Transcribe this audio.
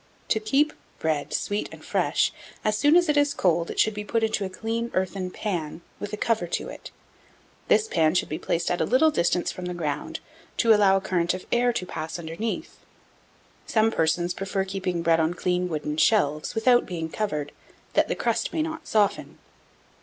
1699. To keep bread sweet and fresh, as soon as it is cold it should be put into a clean earthen pan, with a cover to it: this pan should be placed at a little distance from the ground, to allow a current of air to pass underneath. Some persons prefer keeping bread on clean wooden shelves, without being covered, that the crust may not soften.